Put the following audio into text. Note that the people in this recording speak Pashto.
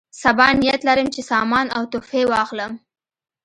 صبا نیت لرم چې سامان او تحفې واخلم.